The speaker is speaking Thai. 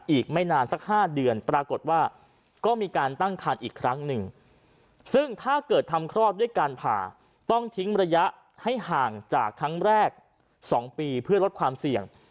อีกไม่นานสัก๕เดือนปรากฏว่าก็มีการตั้งคันอีกครั้งหนึ่งซึ่งถ้าเกิดทำคลอดด้วยการผ่าต้องทิ้งระยะให้ห่างจากครั้งแรก๒ปีเพื่อลดความเสี่ยง